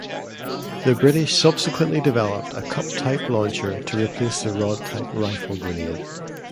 The British subsequently developed a cup-type launcher to replace the rod-type rifle-grenade.